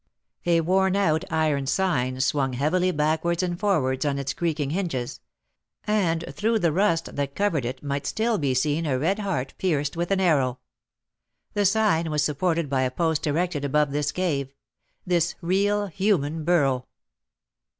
A worn out iron sign swung heavily backwards and forwards on its creaking hinges, and through the rust that covered it might still be seen a red heart pierced with an arrow. The sign was supported by a post erected above this cave, this real human burrow.